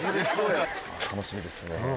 楽しみですね。